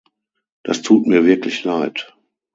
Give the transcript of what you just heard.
Das tut mir wirklich leid.